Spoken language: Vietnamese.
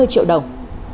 năm mươi triệu đồng